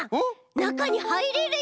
なかにはいれるよ！